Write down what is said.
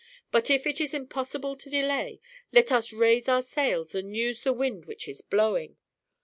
But if it is impossible to delay, let us raise our sails and use the wind which is blowing.